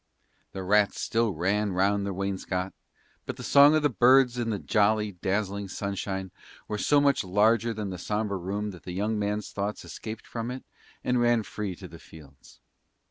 The rats still ran round the wainscot, but the song of the birds and the jolly, dazzling sunshine were so much larger than the sombre room that the young man's thoughts escaped from it and ran free to the fields.